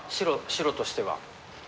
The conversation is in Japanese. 白としては。